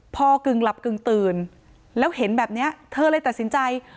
พอกึ่งหลับกึ่งตื่นแล้วเห็นแบบนี้เธอเลยตัดสินใจ